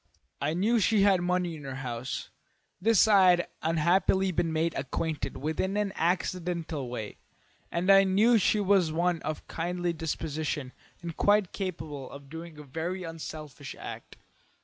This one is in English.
I knew she had money in her house; this I had unhappily been made acquainted with in an accidental way, and I knew she was of kindly disposition and quite capable of doing a very unselfish act.